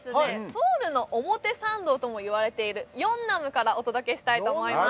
ソウルの表参道ともいわれているヨンナムからお届けしたいと思います